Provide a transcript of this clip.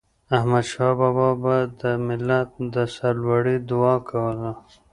احمدشاه بابا به د ملت د سرلوړی دعا کوله.